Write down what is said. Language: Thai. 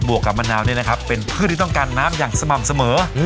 วกกับมะนาวนี่นะครับเป็นพืชที่ต้องการน้ำอย่างสม่ำเสมอ